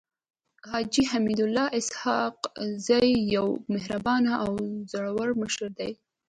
حاجي حميدالله اسحق زی يو مهربانه او زړور مشر دی.